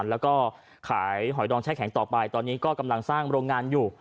แล้วก็ขายหอยดองแช่แข็งต่อไปตอนนี้ก็กำลังสร้างโรงงานอยู่